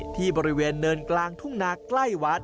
ที่บริเวณเนินกลางทุ่งนาใกล้วัด